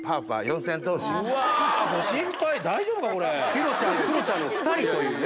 ＨＩＲＯちゃんクロちゃんの２人というね。